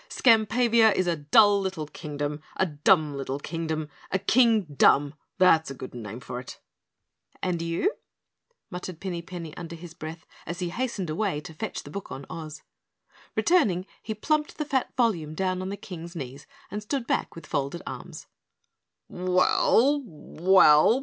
"Skampavia is a dull little Kingdom, a dumb little Kingdom a KingDUMB, that's a good name for it." "And you?" murmured Pinny Penny under his breath as he hastened away to fetch the book on Oz. Returning, he plumped the fat volume down on the King's knees and stood back with folded arms. "Well well?